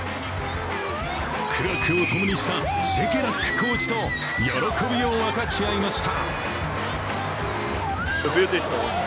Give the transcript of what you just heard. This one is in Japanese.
苦楽を共にしたシェケラックコーチと喜びを分かち合いました。